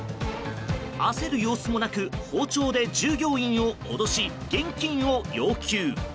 焦る様子もなく包丁で従業員を脅し現金を要求。